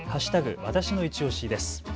わたしのいちオシです。